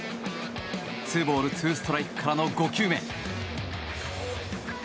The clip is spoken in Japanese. ２ボール２ストライクからの５球目。